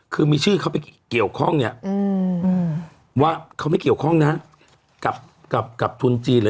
คือมีชื่อเขาไปเกี่ยวข้องเนี่ยว่าเขาไม่เกี่ยวข้องนะกับทุนจีนหรือ